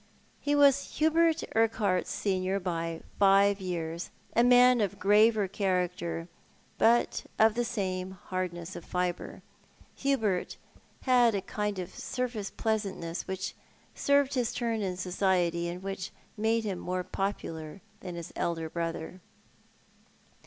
He was Hubert Urquhart's senior by five years, a man of graver character, but of the same hardness of fibre. Hubert had a kind of surface pleasantness which served his turn in society, and which made him more popular than his elder brother.